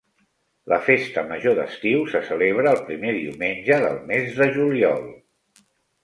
La Festa Major d'Estiu se celebra el primer diumenge del mes de juliol.